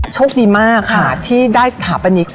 โชคดีมากค่ะที่ได้สถาปนิก